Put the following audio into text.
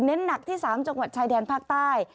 หนักที่๓จังหวัดชายแดนภาคใต้